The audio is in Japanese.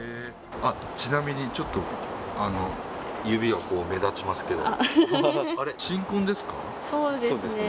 ちなみにちょっと指が目立ちますけど。